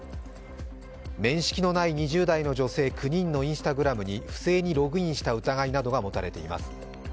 面識のない２０代の女性９人のＩｎｓｔａｇｒａｍに不正にログインした疑いなどが持たれています。